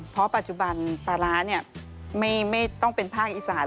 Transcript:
เพราะปัจจุบันปลาร้าไม่ต้องเป็นภาคอีสาน